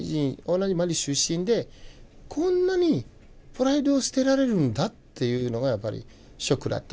同じマリ出身でこんなにプライドを捨てられるんだっていうのがやっぱりショックだった。